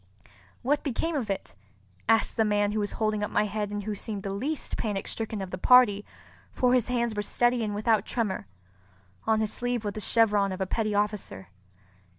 "What became of it?" asked the man who was holding up my head and who seemed the least panic stricken of the party, for his hands were steady and without tremor. On his sleeve was the chevron of a petty officer.